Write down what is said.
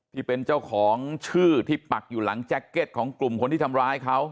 ที่เป็นเจ้าของชื่อที่ปักอยู่หลังแจ็คเก็ตของกลุ่มคนที่ทำร้ายเขา